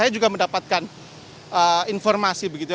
juga mendapatkan informasi begitu